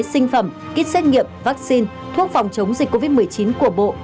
sinh phẩm kýt xét nghiệm vaccine thuốc phòng chống dịch covid một mươi chín của bộ